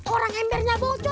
orang embernya bocor